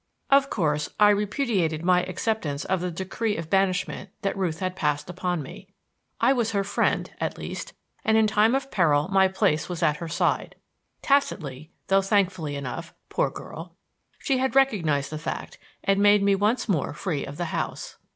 Of course, I repudiated my acceptance of the decree of banishment that Ruth had passed upon me. I was her friend, at least, and in time of peril my place was at her side. Tacitly though thankfully enough, poor girl! she had recognized the fact and made me once more free of the house.